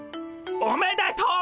おめでとう！